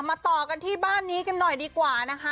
ต่อกันที่บ้านนี้กันหน่อยดีกว่านะคะ